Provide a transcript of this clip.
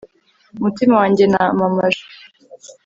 mutima wanjye namamaje